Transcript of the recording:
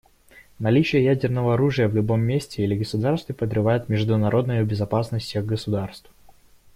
Наличие ядерного оружия в любом месте или государстве подрывает международную безопасность всех государств.